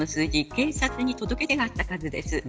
警察に届け出があった数です。